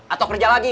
atau kerja lagi